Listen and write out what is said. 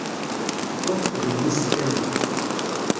Ur teqbilem isefka-nni.